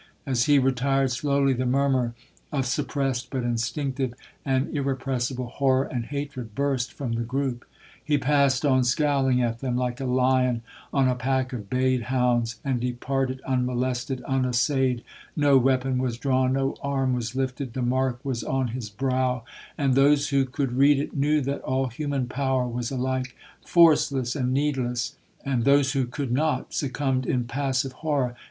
'—As he retired slowly, the murmur of suppressed but instinctive and irrepressible horror and hatred burst from the groupe. He past on scowling at them like a lion on a pack of bayed hounds, and departed unmolested—unassayed—no weapon was drawn—no arm was lifted—the mark was on his brow,—and those who could read it knew that all human power was alike forceless and needless,—and those who could not succumbed in passive horror.